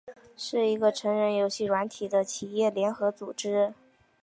是一个成人游戏软体的企业联合组织。